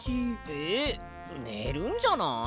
えねるんじゃない？